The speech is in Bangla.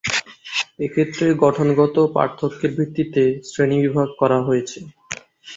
এক্ষেত্রে গঠনগত পার্থক্যের ভিত্তিতে শ্রেণীবিভাগ করা হয়েছে।